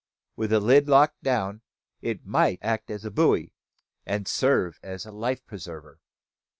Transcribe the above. With the lid locked down, it might act as a buoy, and serve for a life preserver.